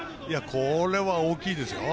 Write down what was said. これは大きいですよ。